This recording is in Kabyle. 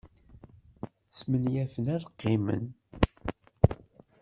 Smenyafen ad qqimen.